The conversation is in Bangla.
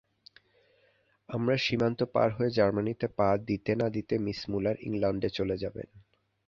আমরা সীমান্ত পার হয়ে জার্মানীতে পা দিতে না দিতে মিস মূলার ইংলণ্ডে চলে যাবেন।